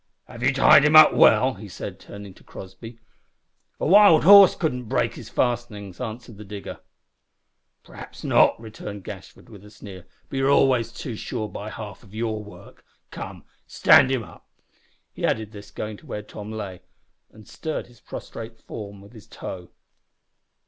"Have you tied him up well!" he said, turning to Crossby. "A wild horse couldn't break his fastenings," answered the digger. "Perhaps not," returned Gashford, with a sneer, "but you are always too sure by half o' yer work. Come, stand up," he added, going to where Tom lay, and stirring his prostrate form with his toe.